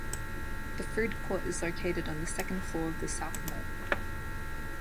The food court is located on the second floor of the South Mall.